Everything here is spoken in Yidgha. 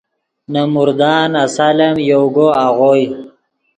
نے مردان آسال ام یوگو آغوئے